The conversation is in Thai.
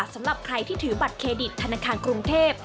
สำหรับใครที่ถือบัตรเครดิตธนาคารกรุงเทพ